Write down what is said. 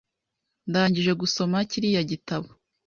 Ndangije gusoma kiriya gitabo .